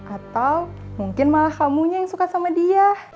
atau mungkin malah kamunya yang suka sama dia